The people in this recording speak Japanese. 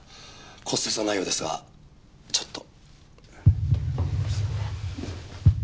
骨折はないようですがちょっと。